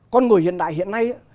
con người hiện đại hiện nay